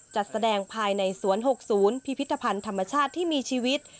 จัดแสดงภายในสวน๖๐พิพิธภัณฑ์ธรรมชาติที่มีชีวิต